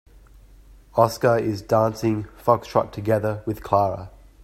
Oscar is dancing foxtrot together with Clara.